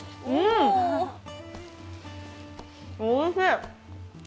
おいしい！